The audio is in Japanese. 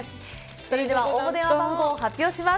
それでは応募電話番号を発表します